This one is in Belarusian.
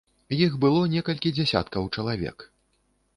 Іх было некалькі дзясяткаў чалавек.